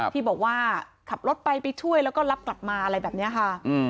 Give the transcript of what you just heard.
ที่บอกว่าขับรถไปไปช่วยแล้วก็รับกลับมาอะไรแบบนี้ค่ะ